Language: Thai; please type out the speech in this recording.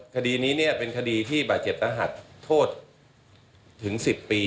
คดีนี้เป็นคดีที่บาดเจ็บรหัสโทษถึง๑๐ปี